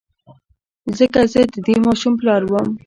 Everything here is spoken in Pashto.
ځکه زه د دې ماشوم پلار وم.